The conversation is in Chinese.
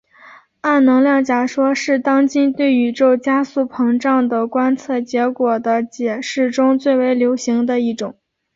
暗能量假说是当今对宇宙加速膨胀的观测结果的解释中最为流行的一种。